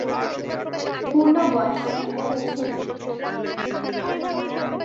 পূর্ণ বয়স্কে পৌঁছেননি।